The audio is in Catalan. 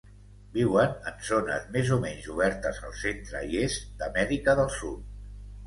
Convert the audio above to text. Viuen en zones més o menys obertes al centre i est d'Amèrica del Sud.